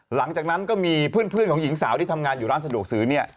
หลังจากนั้นก็มีเพื่อนของหญิงสาวที่ทำงานอยู่ร้านสะดวกซื้อเนี่ย